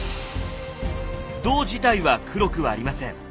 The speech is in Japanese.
銅自体は黒くはありません。